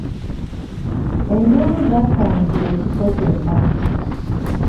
Enduulu zaasaanikira ekifo kyonna.